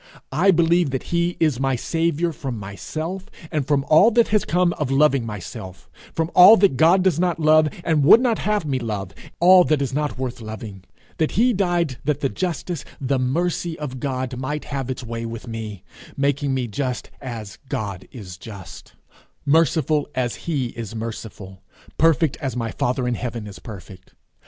I believe that he is my Saviour from myself, and from all that has come of loving myself, from all that God does not love, and would not have me love all that is not worth loving; that he died that the justice, the mercy of God, might have its way with me, making me just as God is just, merciful as he is merciful, perfect as my father in heaven is perfect.